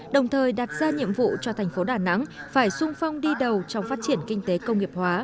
đồng thời đặt ra nhiệm vụ cho thành phố đà nẵng phải sung phong đi đầu trong phát triển kinh tế công nghiệp hóa